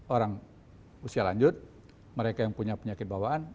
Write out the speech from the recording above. orang usia lanjut mereka yang punya penyakit bawaan